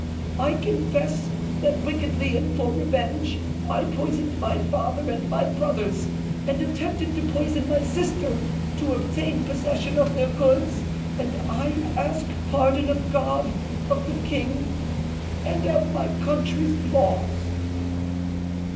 "I confess that, wickedly and for revenge, I poisoned my father and my brothers, and attempted to poison my sister, to obtain possession of their goods, and I ask pardon of God, of the king, and of my country's laws."